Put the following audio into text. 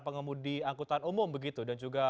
pengemudi angkutan umum begitu dan juga